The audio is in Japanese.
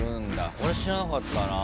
これ知らなかったなあ。